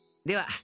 では。